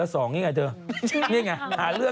เอานี้เอาเลย